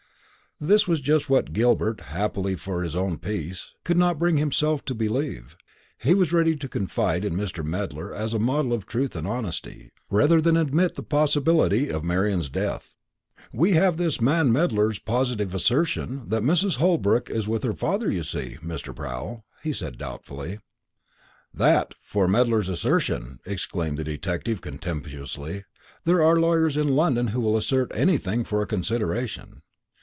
This was just what Gilbert, happily for his own peace, could not bring himself to believe. He was ready to confide in Mr. Medler as a model of truth and honesty, rather than admit the possibility of Marian's death. "We have this man Medler's positive assertion, that Mrs. Holbrook is with her father, you see, Mr. Proul," he said doubtfully. "That for Medler's assertion!" exclaimed the detective contemptuously; "there are lawyers in London who will assert anything for a consideration.